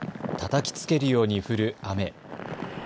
たたきつけるように降る雨。